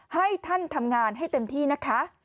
ให้ท่านทำงานให้เต็มที่นะคะ